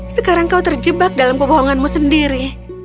sekarang kau terjebak dalam kebohonganmu sendiri